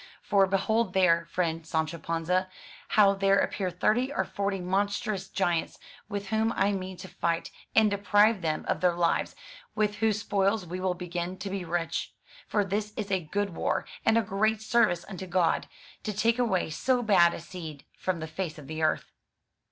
For behold there, friend Sancho Panza, how there appear thirty or forty monstrous giants, with whom I mean to fight, and deprive them of their lives, with whose spoils we will begin to be rich. For this is a good war, and a great service unto God, to take away so bad a seed from the face of the earth.''